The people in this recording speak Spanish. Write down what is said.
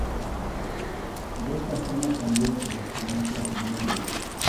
De esta forma cambió su residencia a Madrid.